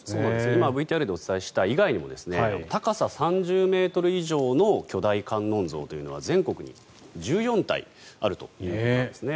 今ＶＴＲでお伝えした以外にも高さ３０ｍ以上の巨大観音像というのは全国に１４体あるということなんですね。